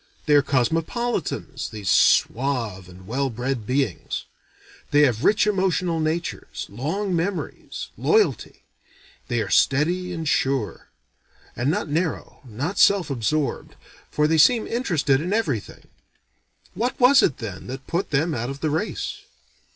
They are cosmopolitans, these suave and well bred beings. They have rich emotional natures, long memories, loyalty; they are steady and sure; and not narrow, not self absorbed, for they seem interested in everything. What was it then, that put them out of the race?